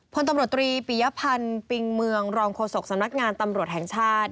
พลตำรวจตรีปิยพันธ์ปิงเมืองรองโฆษกสำนักงานตำรวจแห่งชาติ